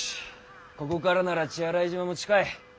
ここからなら血洗島も近い。